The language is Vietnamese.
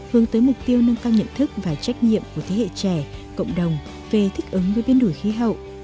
hướng tới mục tiêu nâng cao nhận thức và trách nhiệm của thế hệ trẻ cộng đồng về thích ứng với biến đổi khí hậu